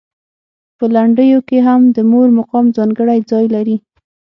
په لنډیو کې هم د مور مقام ځانګړی ځای لري.